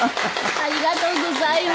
ありがとうございます。